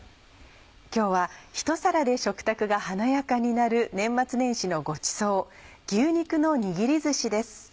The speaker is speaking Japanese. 今日はひと皿で食卓が華やかになる年末年始のごちそう「牛肉のにぎりずし」です。